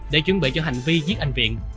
để chuẩn bị cho hành vi giết anh viện